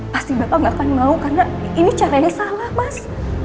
pasti bapak nggak akan mau karena ini caranya salah mas